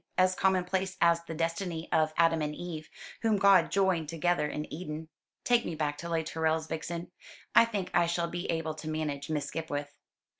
As commonplace as the destiny of Adam and Eve, whom God joined together in Eden. Take me back to Les Tourelles, Vixen. I think I shall be able to manage Miss Skipwith."